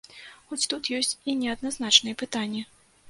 Хоць тут ёсць і неадназначныя пытанні.